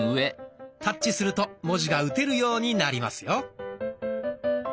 タッチすると文字が打てるようになりますよ。